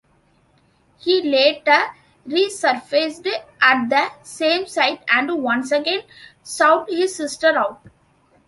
He later resurfaced at the same site and once again sought his sister out.